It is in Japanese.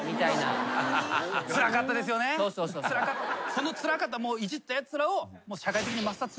そのつらかったイジったやつらを。